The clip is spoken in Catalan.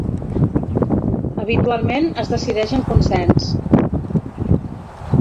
Habitualment es decideix en consens.